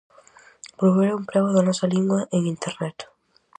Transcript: Promover o emprego da nosa lingua en Internet.